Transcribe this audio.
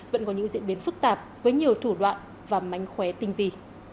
vẫn có những diễn biến phức tạp với nhiều thủ đoạn và mánh khóe tinh tì